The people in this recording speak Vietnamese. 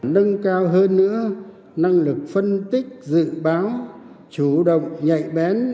nâng cao hơn nữa năng lực phân tích dự báo chủ động nhạy bén